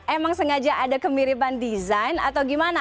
emang sengaja ada kemiripan desain atau gimana